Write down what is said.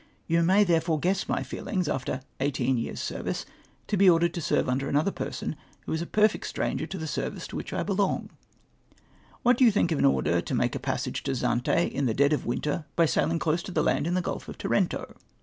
You may therefore guess my feelings, after eigJdeen years' service, to be ordered to serve under a person wJiO is a perfect strarif/er to the service to which 1 helonr/. What do you think of an order to make a passage to Zante in the dead of winter by sail iufj close to the land in the Gulf of Tarento?